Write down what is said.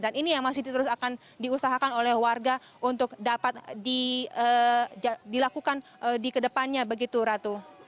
dan ini yang masih terus akan diusahakan oleh warga untuk dapat dilakukan di kedepannya begitu ratu